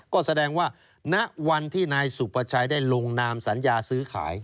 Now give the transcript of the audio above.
ก็แสดงว่าณวันที่นายสุประชัยได้ลงนามสัญญาซื้อขาย